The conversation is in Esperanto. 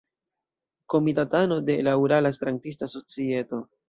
Komitatano de la Urala Esperantista Societo.